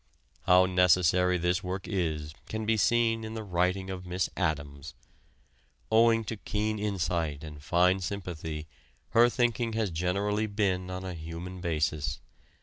How necessary this work is can be seen in the writing of Miss Addams. Owing to keen insight and fine sympathy her thinking has generally been on a human basis.